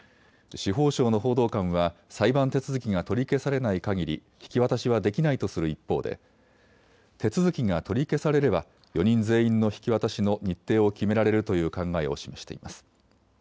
司法省の報道官は裁判手続きが取り消されないかぎり引き渡しはできないとする一方で手続きが取り消されれば４人全員の引き渡しの日程を決められるという考えを示しています。